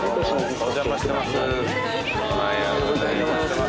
おはようございます。